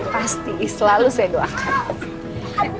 pasti selalu saya doakan